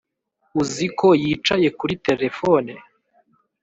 uzi ko yicaye kuri terefone